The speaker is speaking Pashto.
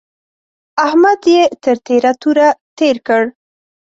احمد يې تر تېره توره تېر کړ.